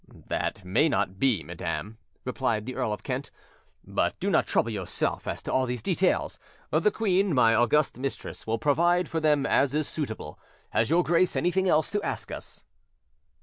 "That may not be, madam," replied the Earl of Kent; "but do not trouble yourself as to all these details: the queen, my august mistress, will provide for them as is suitable. Has your grace anything else to ask us?"